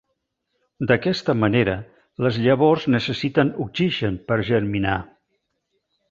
D'aquesta manera, les llavors necessiten oxigen per germinar.